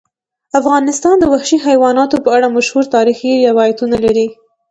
افغانستان د وحشي حیواناتو په اړه مشهور تاریخی روایتونه لري.